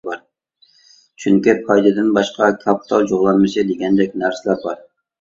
چۈنكى پايدىدىن باشقا كاپىتال جۇغلانمىسى دېگەندەك نەرسىلەر بار.